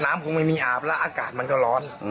คงไม่มีอาบแล้วอากาศมันก็ร้อน